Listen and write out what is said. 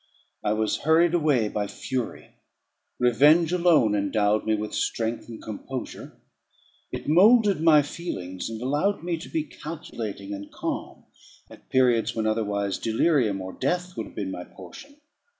I was hurried away by fury; revenge alone endowed me with strength and composure; it moulded my feelings, and allowed me to be calculating and calm, at periods when otherwise delirium or death would have been my portion.